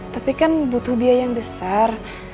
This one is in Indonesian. tapi kan butuh biaya yang besar